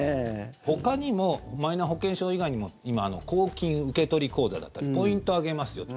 ほかにもマイナ保険証以外にも今、公金受取口座だったりポイントあげますよと。